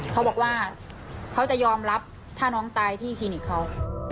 เขาบอกว่าเขาจะยอมรับถ้าน้องตายที่คลินิกเขา